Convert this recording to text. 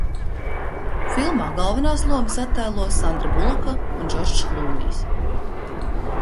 Filmā galvenās lomas attēlo Sandra Buloka un Džordžs Klūnijs.